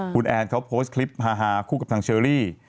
คุณแอนเขาโพสต์คลิปฮาคู่กับทางเชอรี่